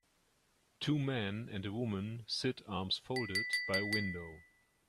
Two men and a woman sit arms folded by a window